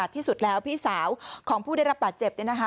ที่สุดแล้วพี่สาวของผู้ได้รับบาดเจ็บ